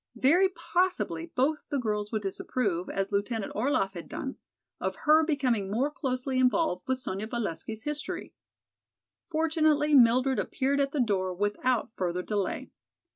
Very possibly both the girls would disapprove, as Lieutenant Orlaff had done, of her becoming more closely involved with Sonya Valesky's history. Fortunately Mildred appeared at the door without further delay.